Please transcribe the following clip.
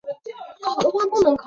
关人口变化图示